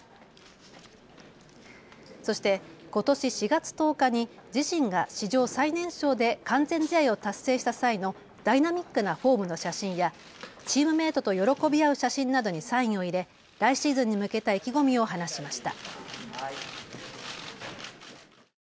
そして、ことし４月１０日に自身が史上最年少で完全試合を達成した際のダイナミックなフォームの写真やチームメートと喜び合う写真などにサインを入れ来シーズンに向けた意気込みを話しました。